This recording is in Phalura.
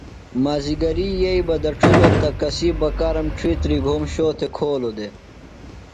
مازِگری یھئ بہ دڇِھلوۡ تہ کسی بکارم ڇِھیتری گھوم شو تھےۡ کھولو دےۡ۔